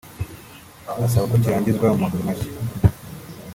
asaba ko kirangizwa mu maguru mashya